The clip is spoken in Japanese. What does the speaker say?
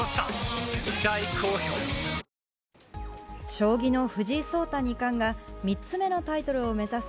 将棋の藤井聡太二冠が３つ目のタイトルを目指す